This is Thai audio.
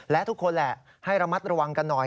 และทุกคนแหละให้ระมัดระวังกันหน่อย